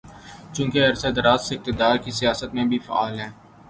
چونکہ عرصۂ دراز سے اقتدار کی سیاست میں بھی فعال ہیں۔